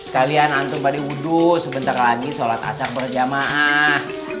kalian antur badi wudhu sebentar lagi sholat asar berjamaah